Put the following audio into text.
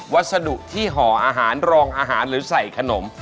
วัสดุที่ห่ออาหารรองอาหารหรือใส่ขนม